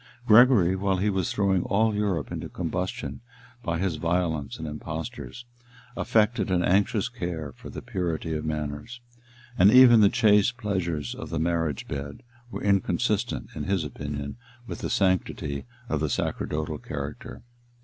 Gregory, while he was throwing all Europe into combustion by his violence and impostures, affected an anxious care for the purity of manners; and even the chaste pleasures of the marriage bed were inconsistent, in his opinion, with the sanctity of the sacerdotal character.